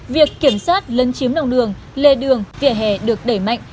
việc kiểm soát lân chiếm đồng đường lê đường vỉa hè được đẩy mạnh